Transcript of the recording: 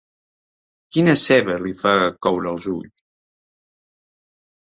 Quina ceba li fa coure els ulls?